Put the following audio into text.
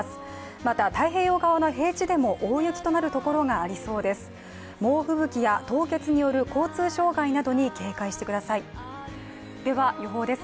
また、太平洋側の平地でも大雪となるところがありそうです。